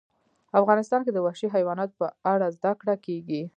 افغانستان کې د وحشي حیواناتو په اړه زده کړه کېږي.